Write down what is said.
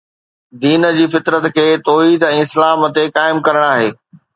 دين جي فطرت کي توحيد ۽ اسلام تي قائم ڪرڻ آهي